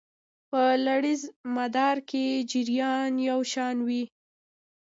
په لړیز مدار کې جریان یو شان وي.